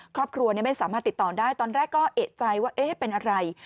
ครอบครัวไม่สามารถติดต่อได้ตอนแรกก็เอกใจว่าเป็นอะไร